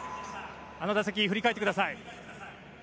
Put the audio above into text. あの打席振り返ってください。